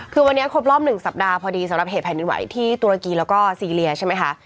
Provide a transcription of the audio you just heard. คือวันนี้ครบรอบ๑สัปดาห์พอดีสำหรับเหตุแผ่นดินไหวที่ตุรกีแล้วก็ซีเรียใช่ไหมคะ